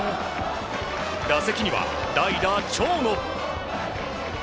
打席には代打、長野。